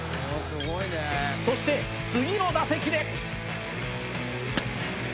そして次の打席で。